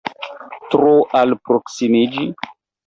Tro alproksimiĝi?